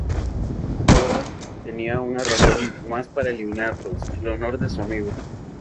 JoJo ahora tenía una razón más para eliminarlos, el honor de su amigo.